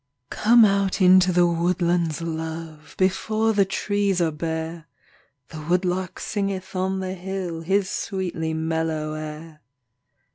COME out into the woodlands, love, Before the trees are bare ; The woodlark singeth on the hill His sweetly mellow air.